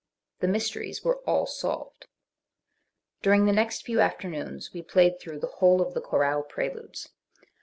The mysteries were all solved. During the next few afternoons we played through the whole of the chorale preludes.